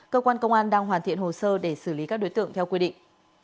cơ quan công an đang hoàn thiện hồ sơ để xử lý các đối tượng theo quy định